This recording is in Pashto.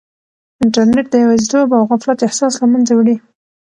انټرنیټ د یوازیتوب او غفلت احساس له منځه وړي.